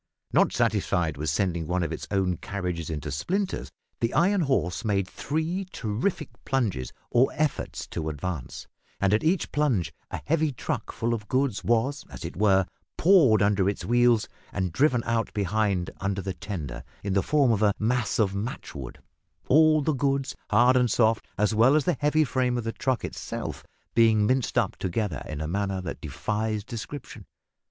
Not satisfied with sending one of its own carriages into splinters, the iron horse made three terrific plunges or efforts to advance, and at each plunge a heavy truck full of goods was, as it were, pawed under its wheels and driven out behind, under the tender, in the form of a mass of matchwood all the goods, hard and soft, as well as the heavy frame of the truck itself being minced up together in a manner that defies description.